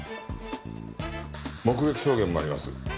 目撃証言もあります。